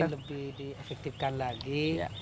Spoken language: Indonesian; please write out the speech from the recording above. lebih efektifkan lagi